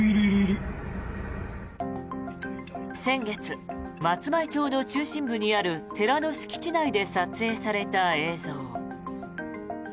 先月、松前町の中心部にある寺の敷地内で撮影された映像。